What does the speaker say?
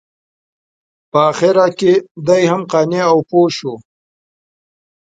په اخره کې دی هم قانع او پوه شو.